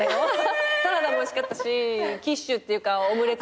サラダもおいしかったしキッシュっていうかオムレツ。